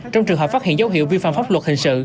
trong trường hợp phát hiện dấu hiệu vi phạm pháp luật hình sự